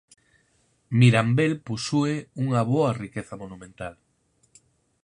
Mirambel posúe unha boa riqueza monumental.